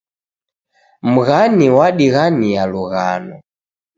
Mghani wadighania lughano